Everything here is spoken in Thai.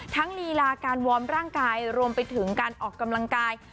ลีลาการวอร์มร่างกายรวมไปถึงการออกกำลังกาย